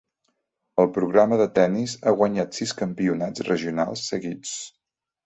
El programa de tennis ha guanyat sis campionats regionals seguits.